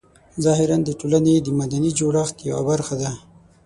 ظاهراً د ټولنې د مدني جوړښت یوه برخه ده.